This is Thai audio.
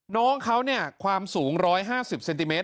น้องเขาเนี่ยความสูง๑๕๐เซนติเมต